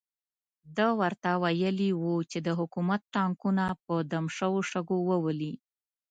ده ورته ویلي وو چې د حکومت ټانګونه په دم شوو شګو وولي.